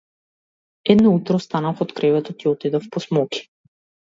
Едно утро станав од креветот и отидов по смоки.